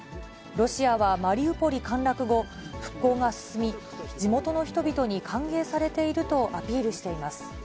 ロシアは、マリウポリ陥落後、復興が進み、地元の人々に歓迎されているとアピールしています。